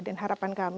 dan harapan kami